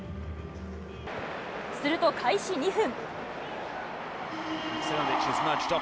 すると開始２分。